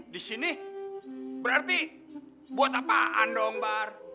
di sini berarti buat apaan dong bar